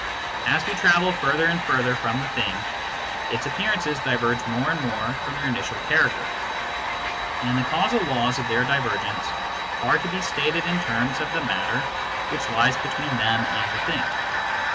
As we travel further and further from the thing, its appearances diverge more and more froir their initial character ; and the causal laws of their divergence are to be stated in terms of the matter which lies between them and the thing.